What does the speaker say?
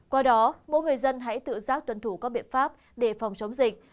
qua đó mỗi người dân hãy tự giác tuân thủ các biện pháp để phòng chống dịch